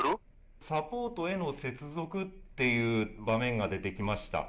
サポートへの接続っていう画面が出てきました。